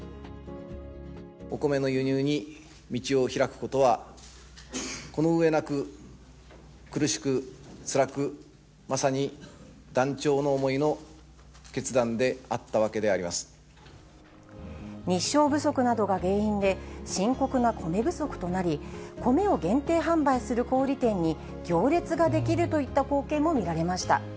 お米の輸入に道を開くことは、この上なく苦しくつらく、まさに断腸の思いの決断であったわけで日照不足などが原因で、深刻な米不足となり、米を限定販売する小売り店に行列が出来るといった光景も見られました。